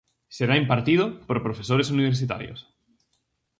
Será impartido por profesores universitarios.